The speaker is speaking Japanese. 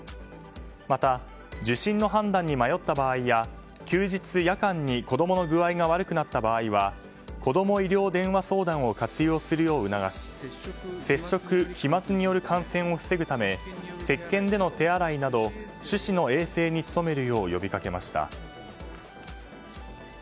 また、受診の判断に迷った場合や休日・夜間に子供の具合が悪くなった場合は子ども医療電話相談を活用するよう促し接触、飛沫による感染を防ぐため石けんでの手洗いなど手指の衛生に努めるよう呼びかけました。